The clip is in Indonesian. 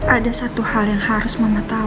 ada satu hal yang harus mama tahu